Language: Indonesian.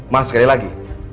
mas sekali lagi